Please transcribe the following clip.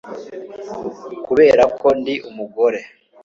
Kubera ko ndi umugore